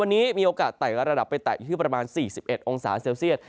วันนี้มีโอกาสไต่ระดับไปแตะอยู่ที่ประมาณ๔๑องศาเซลเซียต